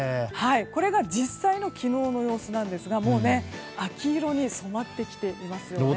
これが実際の昨日の様子なんですがもう、秋色に染まってきていますよね。